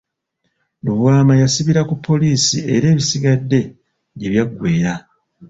Lubwama yasibira ku poliisi era ebisigadde gye byagweera.